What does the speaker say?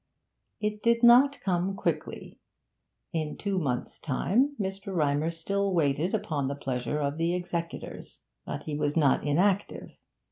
It did not come quickly. In two months' time Mr. Rymer still waited upon the pleasure of the executors. But he was not inactive.